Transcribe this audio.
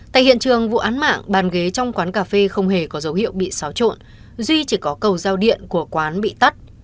tại hiện trường vụ án mạng bàn ghế trong quán cà phê không hề có dấu hiệu bị xáo trộn duy chỉ có cầu giao điện của quán bị tắt